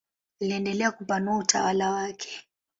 Aliendelea kupanua utawala wake.